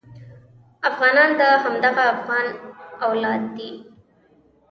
افغانان د همدغه افغان اولاد دي.